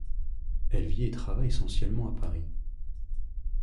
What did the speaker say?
Elle vit et travaille essentiellement à Paris.